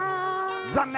残念！